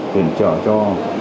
viện trợ cho